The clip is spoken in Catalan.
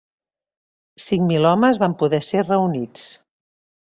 Cinc mil homes van poder ser reunits.